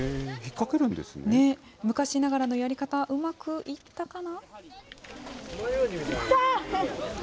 昔ながらのやり方、うまくいったかな？